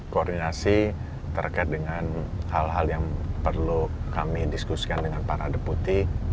koordinasi terkait dengan hal hal yang perlu kami diskusikan dengan para deputi